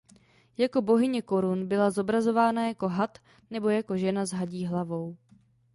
Jako bohyně korun byla zobrazována jako had nebo jako žena s hadí hlavou.